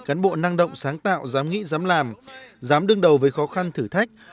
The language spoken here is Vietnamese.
cán bộ năng động sáng tạo dám nghĩ dám làm dám đương đầu với khó khăn thử thách